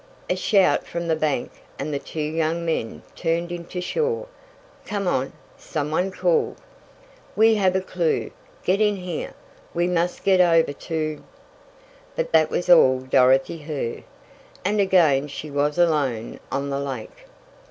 A shout from the bank, and the two young men turned into shore. "Come on," some one called. "We have a clew. Get in here. We must get over to " But that was all Dorothy heard, and again she was alone on the lake.